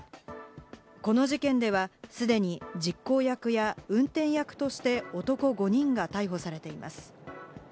この事件では既に実行役や運転役として男５人が逮捕されています。